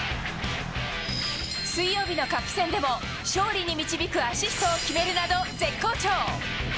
水曜日のカップ戦でも、勝利に導くアシストを決めるなど絶好調。